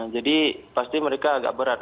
jadi pasti mereka agak berat